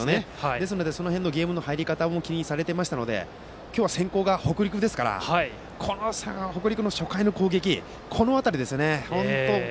ですのでその辺のゲームの入り方も気にされていましたので今日は先攻が北陸ですからこの北陸の初回の攻撃の辺りですね。